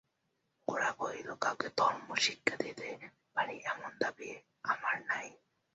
গোরা কহিল, কাউকে ধর্মশিক্ষা দিতে পারি এমন দাবি আামার নেই।